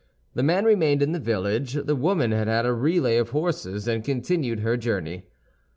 The man remained in the village; the woman had had a relay of horses, and continued her journey.